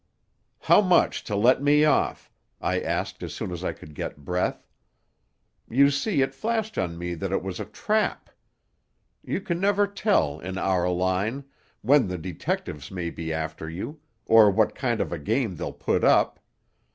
"'How much to let me off?' I asked as soon as I could get breath. You see, it flashed on me that it was a trap. You can never tell, in our line, when the detectives may be after you, or what kind of a game they'll put up.